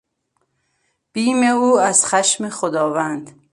بیم او از خشم خداوند....